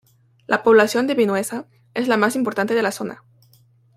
La población de Vinuesa es la más importante de la zona.